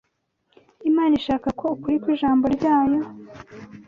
Imana ishaka ko ukuri kw’Ijambo ryayo